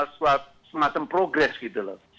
semacam progres gitu loh